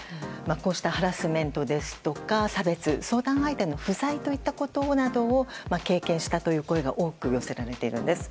こうしたハラスメントですとか差別、相談相手の不在といったことなどを経験したという声が多く寄せられているんです。